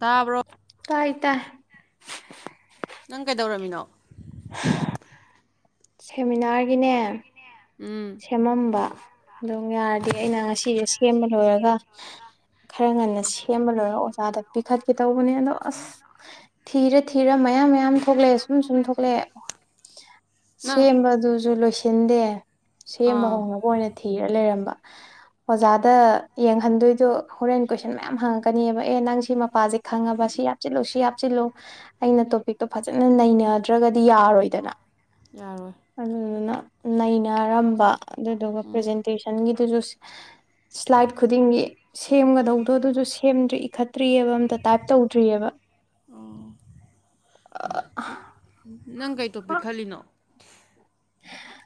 ꯇꯔꯕꯣ ꯠꯇ ꯅꯪ ꯀꯩꯗꯧꯔꯝꯃꯤꯅꯣ ꯁꯦꯃꯤꯅꯥꯔꯒꯤꯅꯦ ꯎꯝ ꯁꯦꯝꯃꯝꯕ ꯑꯗꯨꯝ ꯌꯥꯔꯗꯤ ꯑꯩꯅ ꯉꯁꯤ ꯁꯤꯁꯦ ꯁꯦꯝꯕ ꯂꯣꯏꯔꯒ ꯈꯔ ꯉꯟꯅꯁꯤ ꯁꯦꯝꯕ ꯂꯣꯏꯔ ꯑꯣꯖꯥꯗ ꯄꯤ ꯨ ꯊꯠꯀꯦ ꯇꯧꯕꯅꯦ ꯑꯗꯣ ꯑꯁ ꯊꯤꯔ ꯊꯤꯔ ꯃꯌꯥꯝ ꯃꯌꯥꯝ ꯊꯣꯛꯂꯛꯑꯦ ꯁꯨꯝ ꯁꯨꯝ ꯊꯣꯛꯂꯛꯑꯦ ꯅꯪ ꯁꯦꯝꯕꯗꯨꯁꯨ ꯂꯣꯏꯁꯤ ꯁꯤꯟꯗꯦ ꯁꯦꯝꯕ ꯑꯥ ꯍꯧꯅꯕ ꯑꯣꯏꯅ ꯊꯤ- ꯊꯤꯔ ꯂꯩꯔꯝꯕ ꯑꯣꯖꯥꯗ ꯌꯦꯡꯍꯟꯗꯣꯏꯗꯣ ꯍꯣꯔꯦꯟ ꯀꯣꯏꯁꯟ ꯃꯌꯥꯝ ꯍꯪꯉꯛꯀꯅꯤꯕ ꯑꯦ ꯅꯪ ꯁꯤ ꯃꯄꯥꯁꯦ ꯈꯪꯉꯕ ꯁꯤ ꯍꯥꯞꯆꯤꯜꯂꯨ ꯁꯤ ꯍꯥꯞꯆꯤꯜꯂꯨ ꯑꯩꯅ ꯇꯣꯄꯤꯛꯇꯣ ꯐꯖꯅ ꯅꯩꯅꯗ꯭ꯔꯒꯗꯤ ꯌꯥꯔꯣꯏꯗꯅ ꯌꯥꯔꯣꯏ ꯑꯗꯨꯗꯨꯅ ꯅꯩꯅ- ꯅꯥꯔꯝꯕ ꯑꯗꯨꯗꯨꯒ ꯎꯝ ꯄ꯭ꯔꯖꯦꯟꯇꯦꯁꯟꯒꯤ ꯑꯗꯨꯁꯨ ꯁꯤ ꯁ꯭ꯂꯥꯏꯠ ꯈꯨꯗꯤꯡꯒꯤ ꯁꯦꯝꯒꯗꯧꯗꯣ ꯑꯗꯨꯁꯨ ꯁꯦꯝꯗ꯭ꯔꯤ ꯏꯈꯠꯇ꯭ꯔꯤꯑꯕ ꯑꯝꯇ ꯇꯥꯏꯞ ꯇꯧꯗ꯭ꯔꯤꯑꯕ ꯑꯣ ꯑ ꯑ ꯑꯥ ꯅꯪ ꯀꯩ ꯇꯣꯄꯤꯛ ꯈꯜꯂꯤꯅꯣ ꯍꯍ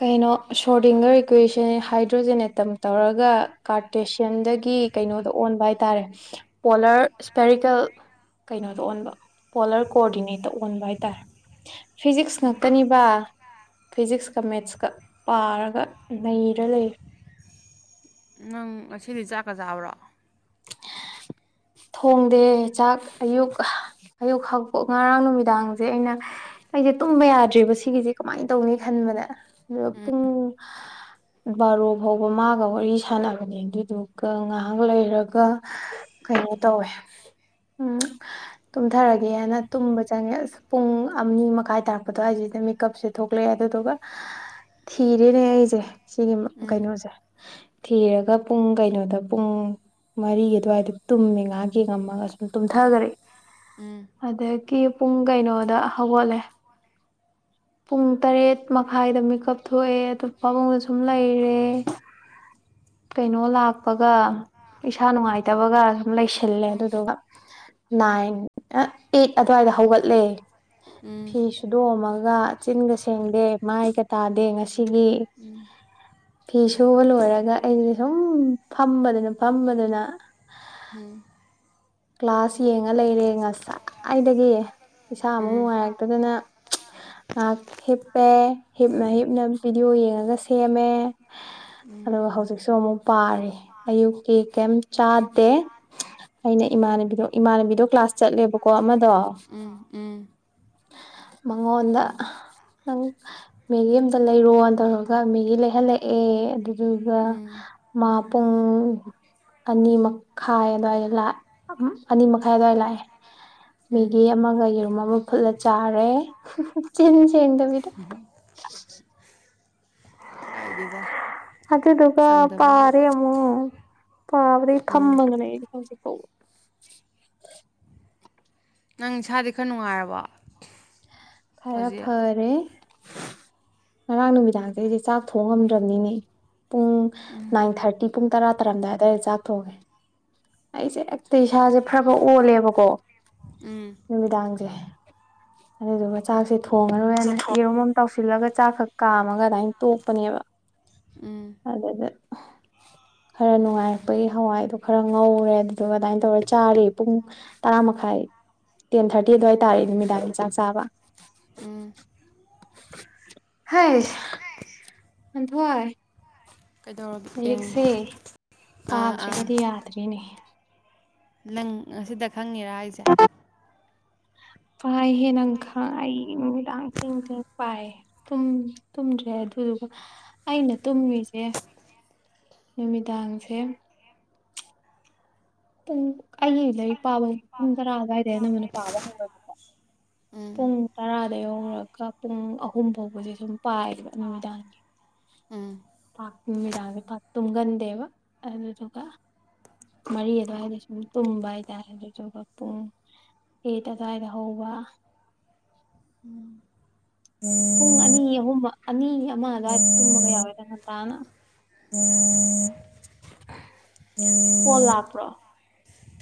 ꯀꯩꯅꯣ ꯁꯣꯔꯗꯤꯡꯒꯔ ꯏꯀ꯭ꯋꯦꯁꯟ ꯍꯥꯏꯗ꯭ꯔꯣꯖꯦꯟ ꯑꯦꯇꯝ ꯇꯧꯔꯒ ꯀꯥꯔꯇꯦꯁꯤꯌꯟꯗꯒꯤ ꯀꯩꯅꯣꯗ ꯑꯣꯟꯕ ꯍꯥꯏ ꯇꯥꯔꯦ ꯄꯣꯂꯔ ꯏꯁꯄꯦꯔꯤꯀꯦꯜ ꯀꯩꯅꯣꯗ ꯑꯣꯟꯕ ꯄꯣꯂꯔ ꯀꯣꯑꯣꯔꯗꯤꯅꯦꯠꯇ ꯑꯣꯟꯕ ꯍꯥꯏ ꯇꯥꯔꯦ ꯐꯤꯖꯤꯛꯁ ꯉꯥꯛꯇꯅꯤꯕ ꯐꯤꯖꯤꯛꯁꯀ ꯃꯦꯠꯁꯀ ꯄꯥꯔꯒ ꯅꯩꯔ ꯂꯩꯔꯦ ꯅꯪ ꯉꯁꯤꯗꯤ ꯆꯥꯛꯀ ꯆꯥꯕ꯭ꯔꯣ ꯍꯍ ꯊꯣꯡꯗꯦ ꯆꯥꯛ ꯑꯌꯨꯛ ꯍꯥ ꯑꯌꯨꯛ ꯍꯧꯒ ꯉꯔꯥꯡ ꯅꯨꯃꯤꯗꯥꯡꯖꯦ ꯑꯩꯅ ꯑꯩꯖꯦ ꯇꯨꯝꯕ ꯌꯥꯗ꯭ꯔꯦꯕ ꯁꯤꯒꯤꯖꯦ ꯀꯃꯥꯏ ꯇꯧꯅꯤ ꯈꯟꯕꯗ ꯑꯗꯨꯗ ꯎꯝ ꯄꯨꯡ ꯍꯍ ꯕꯥꯔꯣ ꯐꯥꯎꯕ ꯃꯥꯒ ꯋꯥꯔꯤ ꯁꯥꯟꯅꯕꯅꯦ ꯑꯗꯨꯏꯗꯨꯒ ꯉꯥꯏꯍꯥꯛ ꯂꯩꯔ- ꯒ ꯀꯩꯅꯣ ꯇꯧꯋꯦ ꯎꯝ ꯇꯨꯝꯊꯔꯒꯦꯅ ꯇꯨꯝꯕ ꯆꯪꯉꯦ ꯑꯁ ꯄꯨꯡ ꯑꯝꯅꯤ ꯃꯈꯥꯏ ꯇꯥꯔꯛꯄ ꯑꯗ꯭ꯋꯥꯏꯖꯤꯗ ꯃꯦꯀꯞꯁꯦ ꯊꯣꯛꯂꯛꯑꯦ ꯑꯗꯨꯗꯨꯒ ꯍꯍ ꯊꯤꯔꯦꯅꯦ ꯑꯩꯖꯦ ꯁꯤꯒꯤ ꯃꯞ ꯎꯝ ꯀꯩꯅꯣꯖꯦ ꯊꯤꯔꯒ ꯄꯨꯡ ꯀꯩꯅꯣꯗ ꯄꯨꯡ ꯃꯔꯤꯒꯤ ꯑꯗꯨꯋꯥꯏꯗ ꯇꯨꯝꯃꯦ ꯉꯥꯍꯥꯛ ꯌꯦꯡꯉꯝꯃꯒ ꯑꯁꯨꯝ ꯇꯨꯝꯊꯒꯔꯦ ꯎꯝ ꯑꯗ ꯀꯦ ꯄꯨꯡ ꯀꯩꯅꯣꯗ ꯍꯧꯒꯠꯂꯦ ꯄꯨꯡ ꯇꯔꯦꯠ ꯃꯈꯥꯏꯗ ꯃꯤꯀꯞ ꯊꯣꯛꯑꯦ ꯑꯗꯨ ꯐꯃꯨꯡꯗ ꯁꯨꯝ ꯂꯩꯔꯦ ꯀꯩꯅꯣ ꯂꯥꯛꯄꯒ ꯑꯣ ꯏꯁꯥ ꯅꯨꯡꯉꯥꯏꯇꯕꯒ ꯁꯨꯝ ꯂꯩꯁꯤꯜꯂꯦ ꯎꯝ ꯑꯗꯨꯗꯨꯒ ꯅꯥꯏꯟ ꯑꯥ ꯑꯩꯠ ꯑꯗꯨꯋꯥꯏꯗ ꯍꯧꯒꯠꯂꯦ ꯎꯝ ꯐꯤ ꯎꯝ ꯁꯨꯗꯣꯛꯑꯃ- ꯒꯥ ꯆꯤꯟꯒ ꯁꯦꯡꯗꯦ ꯃꯥꯏꯒ ꯇꯥꯗꯦ ꯉꯁꯤꯒꯤ ꯐꯤ ꯁꯨꯕ ꯂꯣꯏꯔꯒ ꯑꯩꯗꯤ ꯁꯨꯝꯝꯝ ꯐꯝꯕꯗꯨꯅ- ꯐꯝꯕꯗꯨꯅ ꯍꯨꯝ ꯀ꯭ꯂꯥꯁ ꯌꯦꯡꯉ ꯂꯩꯔꯦ ꯉꯁꯥꯏꯏꯗꯒꯤ ꯏꯁꯥ ꯑꯃꯨꯛ ꯅꯨꯡꯉꯥꯏꯔꯛꯇꯗꯅ ꯉꯍꯥꯛ ꯍꯤꯞꯄꯦ ꯍꯤꯞꯅ ꯍꯤꯞꯅ ꯚꯤꯗꯤꯑꯣ ꯌꯦꯡꯉꯒ ꯁꯦꯝꯃꯦ ꯍꯍ ꯑꯗꯨꯒ ꯍꯧꯖꯤꯛꯁꯨ ꯑꯃꯨꯛ ꯄꯥꯔꯤ ꯑꯌꯨꯛꯀꯤ ꯀꯩꯝ ꯆꯥꯗꯦ ꯑꯩꯅ- ꯏꯃꯥꯟꯅꯕꯤꯗꯣ ꯏꯃꯥꯟꯅꯕꯤꯗꯣ ꯀ꯭ꯂꯥꯁ ꯆꯠꯂꯦꯕꯀꯣ ꯑꯃ- ꯎꯝ ꯎꯝ ꯍꯍ ꯃꯉꯣꯟꯗ ꯑꯍ ꯅꯪ ꯃꯦꯔꯤ ꯑꯝꯇ ꯂꯩꯔꯣꯅ ꯇꯧꯔꯒ ꯃꯦꯔꯤ ꯂꯩꯍꯜꯂꯛꯑꯦ ꯑꯗꯨ- ꯑꯗꯨꯗꯨꯒ ꯎꯝ ꯍꯍ ꯃꯥ ꯄꯨꯡ ꯑꯅꯤ ꯃꯈꯥꯏ ꯑꯗ꯭ꯋꯥꯏꯗ ꯂꯥꯛ- ꯑꯅꯤ ꯃꯈꯥꯏ ꯑꯗꯨꯋꯥꯏ ꯂꯥꯛꯑꯦ ꯎꯝ ꯃꯤꯒꯤ ꯑꯃꯒ ꯌꯦꯔꯨꯝ ꯑꯃ ꯐꯨꯠꯂ ꯆꯥꯔꯦ ꯆꯤꯟ ꯁꯦꯡꯗꯕꯤꯗ ꯀꯥꯏꯗꯦꯗ ꯑꯗꯨꯒꯒ ꯁꯪꯗꯕꯕꯨ ꯀꯥꯔꯦ ꯑꯃꯨ ꯄꯥꯕꯗꯩ ꯎꯝ ꯐꯝꯃꯒꯅꯦ ꯍꯧꯖꯤ [unintelligible] [inaudible] ꯅꯪ ꯏꯁꯥꯗꯤ ꯈꯔ ꯅꯨꯡꯉꯥꯏꯔꯕꯣ ꯈꯔ ꯍꯧꯖꯤꯛ ꯐꯔꯦ ꯉꯔꯥꯡ ꯅꯨꯃꯤꯗꯥꯡꯁꯦ ꯑꯩꯗꯤ ꯆꯥꯛ ꯊꯣꯡ ꯉꯝꯗ꯭ꯔꯕꯅꯤꯅꯦ ꯄꯨꯡ ꯅꯥꯏꯟ ꯊꯥꯔꯇꯤ ꯄꯨꯡ ꯇꯔꯥ ꯇꯥꯔꯝꯗꯥꯏ ꯋꯥꯏꯗ ꯆꯥꯛ ꯊꯣꯡꯉꯦ ꯑꯩꯁꯦ ꯍꯦꯛꯇ ꯏꯁꯥꯁꯦ ꯐꯔ ꯐꯔ ꯑꯣꯜꯂꯦꯕꯀꯣ ꯎꯝ ꯅꯨꯃꯤꯗꯥꯡꯁꯦ ꯑꯗꯨꯗꯨꯒ ꯆꯥꯛꯁꯦ ꯊꯣꯡꯉꯔꯣꯏꯦꯅ ꯌꯦꯔꯣꯝ ꯑꯃ ꯇꯧꯁꯤ ꯊꯣꯜꯂꯒ ꯆꯥꯛꯈꯛ ꯀꯥꯝꯃꯒ ꯑꯗꯨꯃꯥꯏꯅ ꯇꯣꯛꯄꯅꯦꯕ ꯎꯝ ꯑꯗꯨꯗ ꯈꯔ ꯅꯨꯡꯉꯥꯏꯔꯛꯄꯒꯤ ꯍꯋꯥꯏꯗꯣ ꯈꯔ ꯉꯧꯔꯦ ꯑꯗꯨꯗꯨꯒ ꯑꯗꯨꯃꯥꯏꯅ ꯇꯧꯔꯦ ꯆꯥꯔꯤ ꯄꯨꯡ ꯇꯔꯥ ꯃꯈꯥꯏ ꯇꯦꯟ ꯊꯥꯔꯇꯤ ꯑꯗꯨꯋꯥꯏ ꯇꯥꯔꯦ ꯅꯨꯃꯤꯗꯥꯡꯒꯤ ꯆꯥꯛ ꯆꯥꯕ ꯎꯝ ꯍꯥꯏꯁ ꯉꯟꯊꯣꯏ ꯀꯩꯗꯧꯔꯒꯦ ꯂꯥꯏꯔꯤꯛꯁꯦ ꯑꯥ ꯑꯥ ꯄꯥꯗ꯭ꯔꯒꯗꯤ ꯌꯥꯗ꯭ꯔꯤꯅꯦ ꯅꯪ ꯉꯁꯤꯗ ꯈꯪꯉꯦꯔ ꯍꯥꯏꯁꯦ ꯄꯥꯏ ꯍꯦ ꯅ ꯈ ꯑꯩ ꯅꯨꯃꯤꯗꯥꯡ ꯄꯥꯏ ꯇꯨꯝ ꯇꯨꯝꯗ꯭ꯔꯦ ꯑꯗꯨꯗꯨꯒ ꯑꯩꯅ ꯇꯨꯝꯃꯤꯁꯦ ꯅꯨꯃꯤꯗꯥꯡꯁꯦ ꯄꯨꯡ ꯑꯩꯒꯤ ꯂꯥꯏꯔꯤꯛ ꯄꯥꯕ ꯄꯨꯡ ꯇꯔꯥ ꯑꯗꯨꯋꯥꯏꯗ ꯑꯅꯝꯕ ꯄꯥꯕ ꯍꯧꯑꯦꯕꯀꯣ ꯎꯝ ꯄꯨꯡ ꯇꯔꯥꯗ ꯌꯧꯔꯒ ꯄꯨꯡ ꯑꯍꯨꯝ ꯐꯥꯎꯕꯁꯦ ꯁꯨꯝ ꯄꯥꯏꯌꯦꯕ ꯅꯨꯃꯤꯗꯥꯡꯒꯤ ꯎꯝ ꯄꯥꯛ ꯅꯨꯃꯤꯗꯥꯡꯒꯤ ꯄꯥꯛ ꯇꯨꯝꯒꯟꯗꯦꯕ ꯑꯗꯨꯗꯨꯒ ꯃꯔꯤ ꯑꯗꯨꯋꯥꯏꯗ ꯁꯨꯝ ꯇꯨꯝꯕ ꯍꯥꯏꯇꯥꯔꯦ ꯑꯗꯨꯗꯨꯒ ꯄꯨꯡ ꯑꯩꯠ ꯑꯗꯨ꯭ꯋꯥꯏꯗ ꯍꯧꯕ ꯄꯨꯡ ꯑꯅꯤ ꯑꯍꯨꯝ ꯑꯅꯤ ꯑꯃ ꯑꯗ ꯑꯗꯨ ꯇꯃ ꯌꯥꯎ ꯌꯥ [unintelligible] ꯄꯅ [inaudible] ꯀꯣꯜ ꯂꯥꯛꯄ꯭ꯔꯣ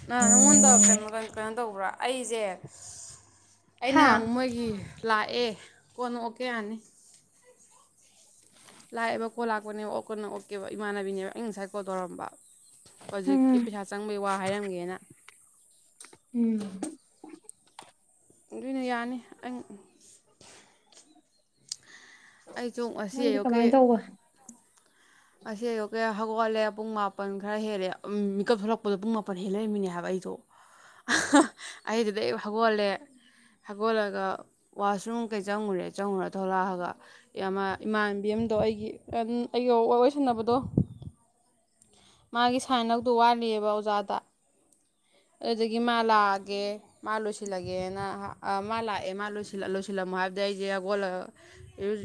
ꯅꯪꯉꯣꯟꯗ ꯀꯩꯅꯣ ꯀꯩꯅꯣ ꯇꯧꯕ꯭ꯔꯥ ꯑꯩꯁꯦ ꯑꯩꯅ ꯍꯥ ꯑꯃ ꯃꯣꯏꯒꯤ ꯂꯥꯛꯑꯦ ꯀꯣꯟꯅ ꯑꯣꯛꯀꯦ ꯌꯥꯅꯤ ꯂꯥꯛꯑꯦꯕ ꯀꯣꯜ ꯂꯥꯛꯄꯅꯦꯕ ꯑꯣꯛ ꯀꯣꯟꯅ ꯑꯣꯛꯀꯦꯕ ꯏꯃꯥꯟꯅꯕꯤꯅꯦꯕ ꯑꯩꯩꯅ ꯉꯁꯥꯏ ꯀꯣꯜ ꯇꯧꯔꯝꯕ ꯍꯧꯖꯤꯛꯀꯤ ꯎꯝ ꯄꯩꯁꯥ ꯆꯪꯕꯒꯤ ꯋꯥ ꯍꯥꯏꯔꯝꯒꯦꯅ ꯎꯝ ꯑꯗꯨꯅ ꯌꯥꯅꯤ ꯑꯩ ꯑꯩ ꯆꯣꯡ ꯑꯁꯤ ꯅꯪꯗꯤ ꯌꯣꯛꯀꯤ ꯀꯃꯥꯏꯅ ꯇꯧꯕ ꯑꯁꯤ ꯑꯌꯣꯛꯀꯦ ꯍꯧꯒꯣꯠꯂꯦ ꯄꯨꯡ ꯃꯥꯄꯜ ꯈꯔ ꯍꯦꯜꯂꯦ ꯎꯝ ꯃꯤꯀꯞ ꯊꯣꯛꯂꯛꯄꯗꯣ ꯄꯨꯡ ꯃꯥꯄꯟ ꯍꯦꯜꯂꯔꯃꯤꯅꯦ ꯍꯥꯏꯕ ꯑꯩꯗꯣ ꯑꯩꯗꯨꯗ ꯑꯩ ꯍꯧꯒꯣꯠꯂꯦ ꯍꯧꯒꯣꯠꯂꯒ ꯋꯥꯁꯔꯨꯝ ꯀꯩ ꯆꯪꯉꯨꯔꯦ ꯆꯪꯉꯨꯔ ꯊꯣꯛꯂꯛꯑꯒ ꯏꯃꯥꯟꯕꯤ ꯑ ꯑꯃꯗꯣ ꯑꯩꯒꯤ ꯑꯩꯒꯤ ꯋꯥꯁꯟꯅꯕꯗꯣ ꯃꯥꯒꯤ ꯁꯥꯏꯟ ꯂꯧꯗꯣ ꯇꯋꯥꯠꯂꯤꯑꯦꯕ ꯑꯣꯖꯥꯗ ꯑꯗꯨꯗꯒꯤ ꯃꯥ ꯂꯥꯛꯑꯒꯦ ꯃꯥ ꯂꯣꯏꯁꯤꯜꯂꯒꯦꯅ ꯃꯥ ꯂꯥꯛꯑꯦ ꯂꯣꯏꯁꯤꯜꯂꯝꯃꯣ ꯍꯥꯏꯕꯗꯤ ꯑꯩꯁꯦꯒꯣ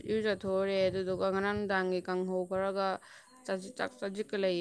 ꯏꯔꯨꯖꯠꯊꯣꯔꯦ ꯑꯗꯨꯗꯨꯒ ꯉꯔꯥꯡ ꯅꯨꯡꯗꯥꯡꯒꯤ ꯀꯥꯡꯪꯍꯧ ꯈꯔꯒ ꯆꯁꯤ ꯆꯥꯛ ꯆꯖꯤꯛ ꯀ ꯂꯩꯌꯦ